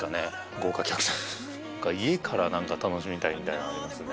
豪華客船家から楽しみたいみたいなのありますよね